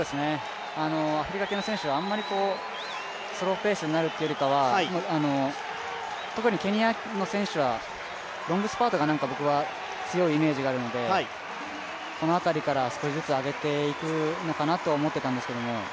アフリカ系の選手はあんまりスローペースになるっていうよりかは特にケニアの選手はロングスパートが強いイメージがあるのでこの辺りから少しずつ上げていくのかなと思っていたんですけども。